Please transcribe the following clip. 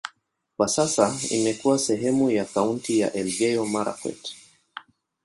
Kwa sasa imekuwa sehemu ya kaunti ya Elgeyo-Marakwet.